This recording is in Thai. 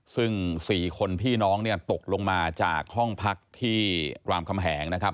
ซึ่ง๔คนพี่น้องตกลงมาจากห้องพักที่รามคำแหง